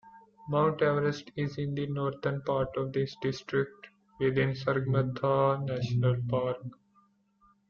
Mount Everest is in the northern part of this district, within Sagarmatha National Park.